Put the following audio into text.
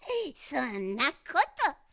そんなことない。